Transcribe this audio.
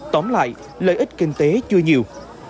tóm lại lợi ích kinh tế chưa nhiều